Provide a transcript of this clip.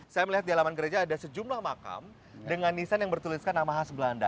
saya melihat di alaman gereja ada sejumlah makam dengan desain yang bertuliskan nama khas belanda